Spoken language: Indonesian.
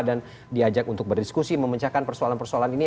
dan diajak untuk berdiskusi memecahkan persoalan persoalan ini